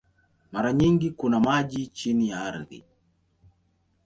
Mara nyingi kuna maji chini ya ardhi.